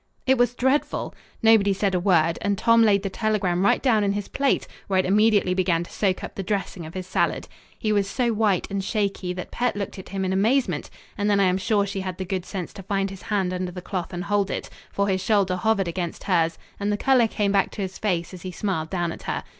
It was dreadful! Nobody said a word, and Tom laid the telegram right down in his plate, where it immediately began to soak up the dressing of his salad. He was so white and shaky that Pet looked at him in amazement, and then I am sure she had the good sense to find his hand under the cloth and hold it, for his shoulder hovered against hers, and the colour came back to his face as he smiled down at her.